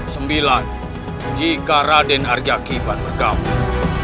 sembilan jika raden arjaki ban bergabung